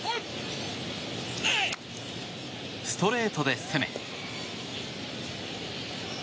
ストレートで攻め。